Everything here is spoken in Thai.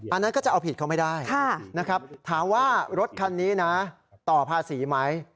อันนั้นก็จะเอาผิดเขาไม่ได้นะครับถามว่ารถคันนี้นะต่อภาษีไหม